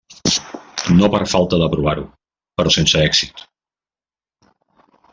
No per falta de provar-ho, però sense èxit.